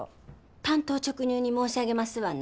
単刀直入に申し上げますわね。